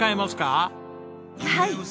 はい。